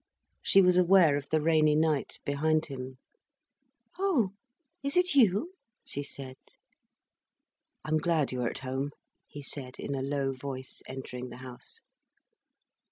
She was aware of the rainy night behind him. "Oh is it you?" she said. "I am glad you are at home," he said in a low voice, entering the house.